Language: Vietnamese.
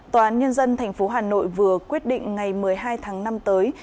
tòa án nhân dân tp hà nội vừa quyết định ngày một mươi hai tháng năm tới